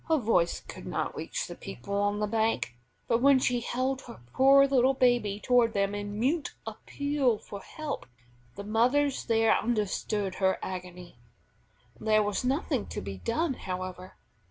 Her voice could not reach the people on the bank, but when she held her poor little baby toward them in mute appeal for help, the mothers there understood her agony. There was nothing to be done, however.